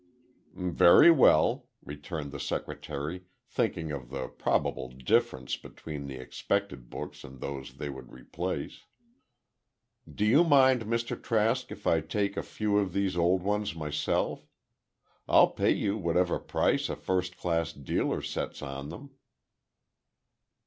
"Very well," returned the secretary, thinking of the probable difference between the expected books and those they would replace. "Do you mind, Mr Trask, if I take a few of these old ones myself? I'll pay you whatever price a first class dealer sets on them."